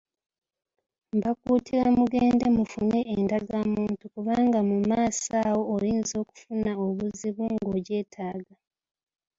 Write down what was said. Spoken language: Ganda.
Mbakuutira mugende mufune endagamuntu kubanga mu maaso awo, oyinza okufuna obuzibu ng'ogyetaaga